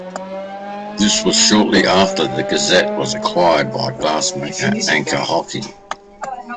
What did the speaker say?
This was shortly after the "Gazette" was acquired by glassmaker Anchor-Hocking.